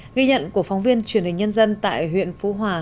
ghi nhận của phóng viên truyền hình nhân dân tại huyện phú hòa